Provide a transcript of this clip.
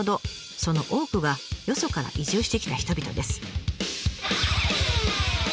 その多くがよそから移住してきた人々です。